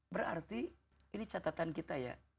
berarti ini catatan kita ya